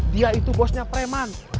dia itu bosnya preman